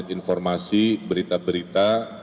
update informasi berita berita